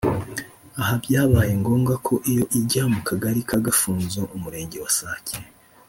Aha byabaye ngombwa ko iyo ijya mu kagari ka Gafunzo umurenge wa Sake